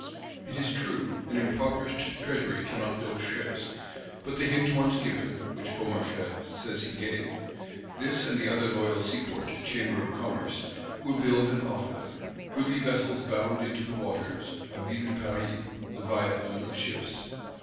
It is true, an impoverished Treasury cannot build ships; but the hint once given (which Beaumarchais says he gave), this and the other loyal Seaport, Chamber of Commerce, will build and offer them. Goodly vessels bound into the waters; a Ville de Paris, Leviathan of ships.